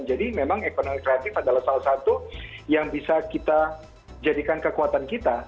jadi memang ekonomi kreatif adalah salah satu yang bisa kita jadikan kekuatan kita